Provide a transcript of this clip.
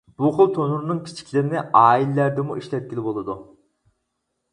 بۇ خىل تونۇرنىڭ كىچىكلىرىنى ئائىلىلەردىمۇ ئىشلەتكىلى بولىدۇ.